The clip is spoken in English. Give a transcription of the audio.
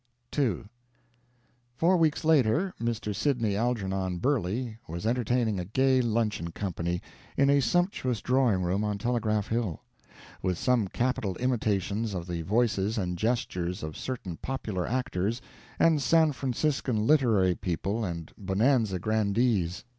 II Four weeks later Mr. Sidney Algernon Burley was entertaining a gay luncheon company, in a sumptuous drawing room on Telegraph Hill, with some capital imitations of the voices and gestures of certain popular actors and San Franciscan literary people and Bonanza grandees.